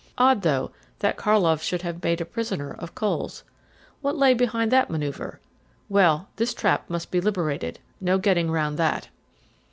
Odd, though, that Karlov should have made a prisoner of Coles. What lay behind that manoeuvre? Well, this trap must be liberated; no getting round that.